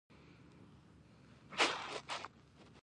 آیا د پښتنو په کلتور کې د مسافرۍ ژوند سخت نه دی؟